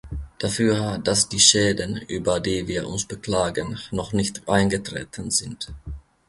Dafür, dass die Schäden, über die wir uns beklagen, noch nicht eingetreten sind?